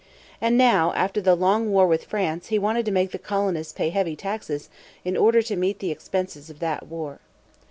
And now after the long war with France he wanted to make the colonists pay heavy taxes in order to meet the expenses of that war.